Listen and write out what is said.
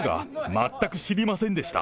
全く知りませんでした。